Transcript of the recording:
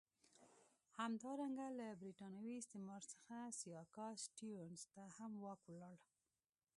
همدارنګه له برېتانوي استعمار څخه سیاکا سټیونز ته هم واک ولاړ.